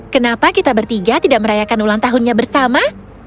kenapa kita bertiga tidak merayakan ulang tahunnya bersama